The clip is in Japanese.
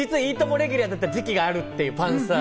レギュラーだった時期があるんですよ、パンサー。